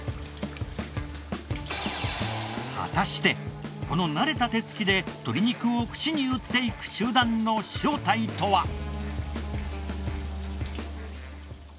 果たしてこの慣れた手つきで鶏肉を串に打っていく集団の正体とは？